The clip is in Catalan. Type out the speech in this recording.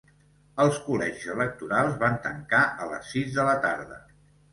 Els col·legis electorals van tancar a les sis de la tarda.